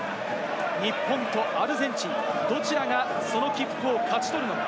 日本とアルゼンチン、どちらがその切符を勝ち取るのか？